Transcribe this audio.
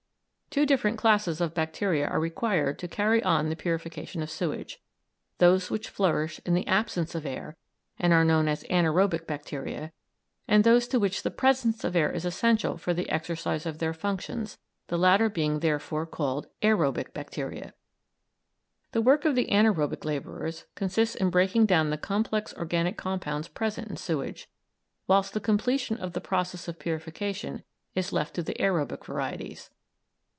Two different classes of bacteria are required to carry on the purification of sewage: those which flourish in the absence of air and are known as anaërobic bacteria, and those to which the presence of air is essential for the exercise of their functions, the latter being therefore called aërobic bacteria. The work of the anaërobic labourers consists in breaking down the complex organic compounds present in sewage, whilst the completion of the process of purification is left to the aërobic varieties.